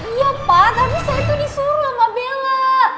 iya pak tadi saya tuh disuruh sama bella